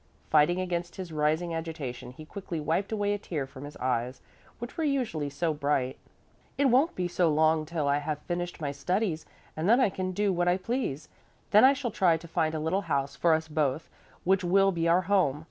Fighting against his rising agitation, he quickly wiped away a tear from his eyes, which were usually so bright. "It won't be so long till I have finished my studies and then I can do what I please. Then I shall try to find a little house for us both, which will be our home.